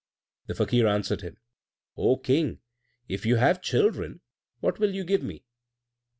The Fakir answered him, "Oh King! If you have children, what will you give me?"